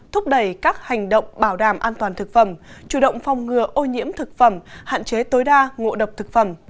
thúc đẩy các hành động bảo đảm an toàn thực phẩm chủ động phòng ngừa ô nhiễm thực phẩm hạn chế tối đa ngộ độc thực phẩm